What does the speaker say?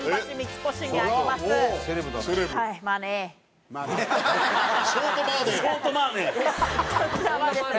こちらはですね